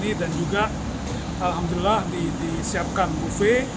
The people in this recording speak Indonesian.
di sini dan juga alhamdulillah disiapkan buvee